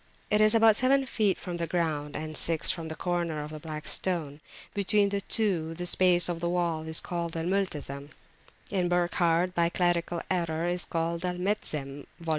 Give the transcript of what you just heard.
It is about seven feet from the ground, and six from the corner of the Black Stone. Between the two the space of wall is called Al Multazem (in Burckhardt, by a clerical error, Al Metzem, vol.